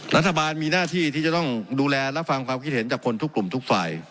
รัฐบาลมีหน้าที่ที่จะต้องดูแลรับฟังความคิดเห็นจากคนทุกกลุ่มทุกฝ่าย